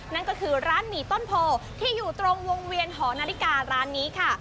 นั่นก็คือร้านหมี่ต้นโพที่อยู่ตรงวงเวียนหอนาฬิการ้านนี้ค่ะ